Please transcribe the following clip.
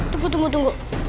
tunggu tunggu tunggu